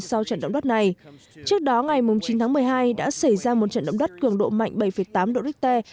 sau trận động đất này trước đó ngày chín tháng một mươi hai đã xảy ra một trận động đất cường độ mạnh bảy tám độ richter